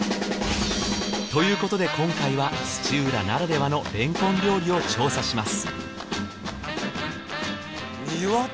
ということで今回は土浦ならではのれんこん料理を調査します